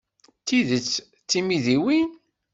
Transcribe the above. D tidet d timidiwin?